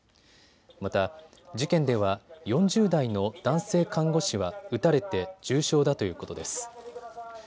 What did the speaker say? また、事件では４０代の男性看護師は撃たれて重傷だということです。